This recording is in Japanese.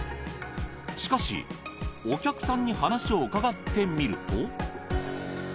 しかしお客さんに話を伺ってみると。